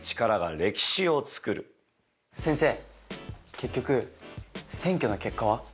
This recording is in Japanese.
結局選挙の結果は？